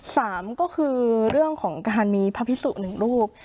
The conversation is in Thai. สามก็คือเรื่องของการมีพระพิสุหนึ่งรูป